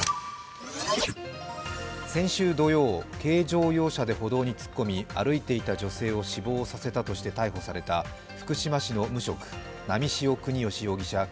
先週土曜、軽乗用車で歩道に突っ込み歩いていた女性を死亡させたとして逮捕された福島市の無職、波汐國芳容疑者